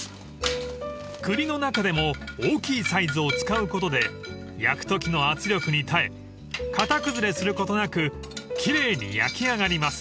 ［栗の中でも大きいサイズを使うことで焼くときの圧力に耐え形崩れすることなく奇麗に焼き上がります］